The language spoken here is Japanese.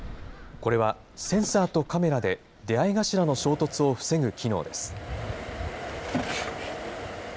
これはセンサーとカメラで出会い頭の衝突を防ぐ機能です。